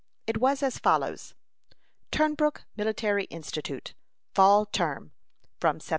It was as follows: "TUNBROOK MILITARY INSTITUTE. FALL TERM. _From Sept.